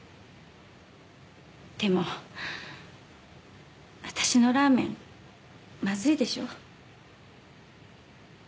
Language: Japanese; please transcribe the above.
でも私のラーメンまずいでしょ？